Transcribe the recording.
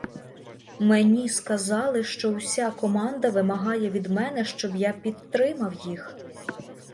Мені сказали, що вся команда вимагає від мене, щоб я підтримав їх.